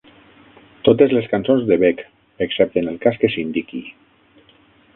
Totes les cançons de Beck, excepte en el cas que s'indiqui.